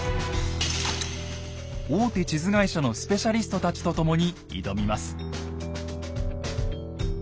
大手地図会社のスペシャリストたちと共に挑みます。